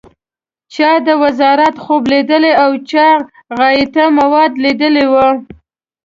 چا د وزارت خوب لیدلی او چا غایطه مواد لیدلي و.